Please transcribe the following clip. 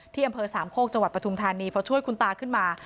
อำเภอสามโคกจังหวัดปฐุมธานีพอช่วยคุณตาขึ้นมา